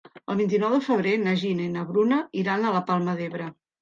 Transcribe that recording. El vint-i-nou de febrer na Gina i na Bruna iran a la Palma d'Ebre.